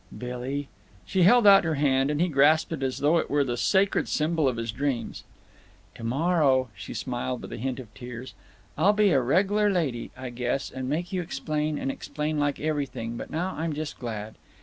"Billy—" She held out her hand, and he grasped it as though it were the sacred symbol of his dreams. "To morrow," she smiled, with a hint of tears, "I'll be a reg'lar lady, I guess, and make you explain and explain like everything, but now I'm just glad.